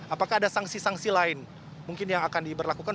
apakah ada sanksi sanksi lain mungkin yang akan diberlakukan